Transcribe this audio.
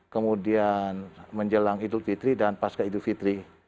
kemudian menjelang idul fitri dan pasca idul fitri